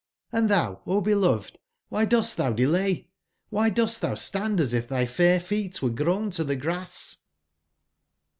Hnd tbou, O beloved, wby dost tbou delay? CQby dost tbou stand as if tby fa ir feet were grown to tbe grass